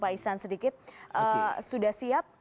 pak isan sedikit sudah siap